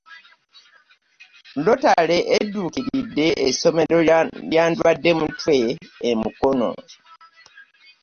Rotary edduukiridde essomero lya Ndwaddemutwe e Mukono